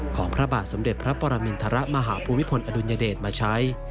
พระบาทสมเด็จพระปรมินทรมาหาภูมิพลอดุลยเดชมาใช้